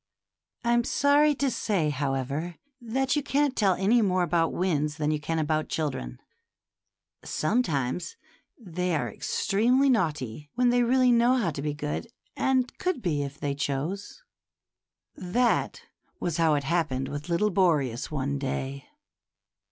I'm sorry to say, however, that you can't tell any more about winds than you can about children; some times they are extremely naughty when they really know how to be good, and could be if they chose. That was how it happened with little Boreas, one day.